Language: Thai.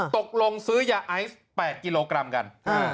ตกลงซื้อยาไอซ์๘กิโลกรัมกัน